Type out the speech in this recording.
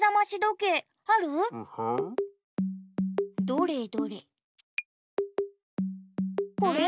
どれどれ。